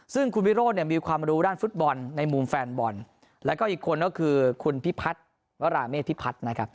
ซึ่งคุณวิโรธเนี่ยมีความรู้ด้านฟุตบอลในมุมแฟนบอลแล้วก็อีกคนก็คือคุณพิพัฒน์วราเมธิพัฒน์นะครับ